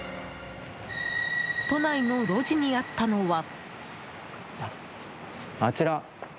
都内の路地にあったのは。